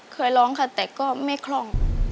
เคยร้องค่ะแต่ก็ไม่คล่อง